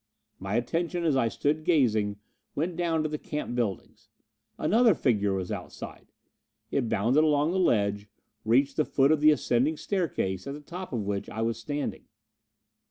My attention, as I stood gazing, went down to the camp buildings. Another figure was outside! It bounded along the ledge, reached the foot of the ascending staircase at the top of which I was standing.